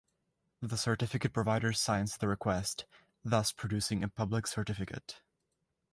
The certificate provider signs the request, thus producing a public certificate.